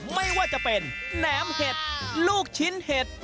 ไม่ว่าจะเป็นแหนมเห็ดลูกชิ้นเห็ด